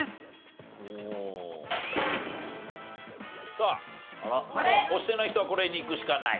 さあ押してない人はこれにいくしかない。